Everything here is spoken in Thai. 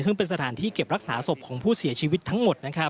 ซึ่งเป็นสถานที่เก็บรักษาศพของผู้เสียชีวิตทั้งหมด